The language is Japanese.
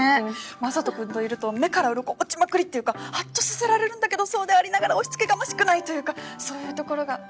雅人君といると目からうろこ落ちまくりっていうかハッとさせられるんだけどそうでありながら押し付けがましくないというかそういうところが。